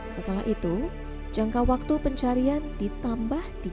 setelah itu jangka waktu pencarian ditambah tiga hari